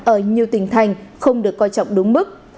ở nhiều tỉnh thành không được coi trọng đúng mức